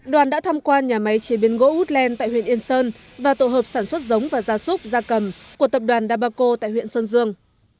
đoàn đã tham quan nhà máy chế biến gỗ hút len tại huyện yên sơn và tổ hợp sản xuất giống và gia súc gia cầm của tập đoàn dabaco tại huyện sơn dương